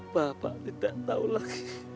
bapak tidak tahu lagi